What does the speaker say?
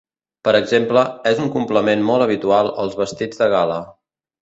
Per exemple, és un complement molt habitual als vestits de gala.